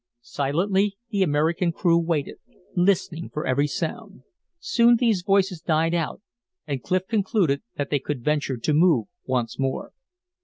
Silently the American crew waited, listening for every sound. Soon these voices died out, and Clif concluded that they could venture to move once more.